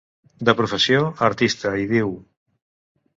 De professió, artista, hi diu.